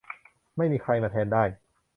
ไม่มีใครมาแทนได้